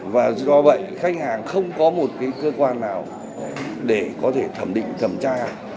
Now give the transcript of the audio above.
và do vậy khách hàng không có một cơ quan nào để có thể thẩm định thẩm tra